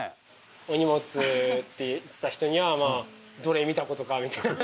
「お荷物」って言った人にはまあ「どれ見たことか」みたいな。